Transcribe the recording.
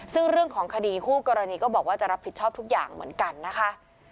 ซึ่งเรื่องของคดีคู่กรณีก็บอกว่าจะรับผิดชอบทุกอย่างเหมือนกันนะคะ